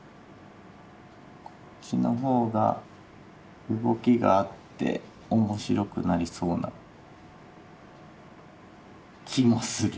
こっちの方が動きがあって面白くなりそうな気もする。